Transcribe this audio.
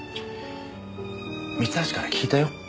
三橋から聞いたよ。